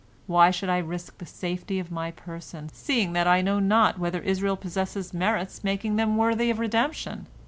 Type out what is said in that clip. Why should I risk the safety of my person, seeing that I know not whether Israel possesses merits making them worthy of redemption?'